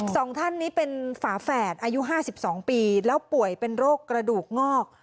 สองท่านนี้เป็นฝาแฝดอายุ๕๒ปีแล้วป่วยเป็นโรคกระดูกงอก